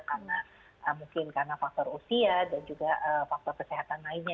karena mungkin karena faktor usia dan juga faktor kesehatan lainnya